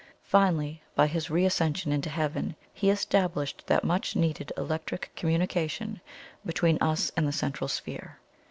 Finally, by His re ascension into Heaven He established that much needed electric communication between us and the Central Sphere.